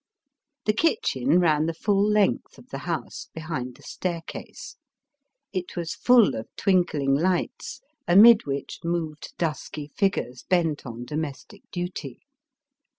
The kitchen ran the full length of the house, behind the staircase. It was fuU of twinkling lights, amid which moved dusky figures bent on domestic duty.